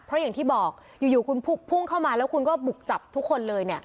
เพราะอย่างที่บอกอยู่คุณพุ่งเข้ามาแล้วคุณก็บุกจับทุกคนเลย